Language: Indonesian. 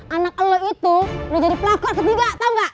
anak lo itu udah jadi pelakor ketiga tau gak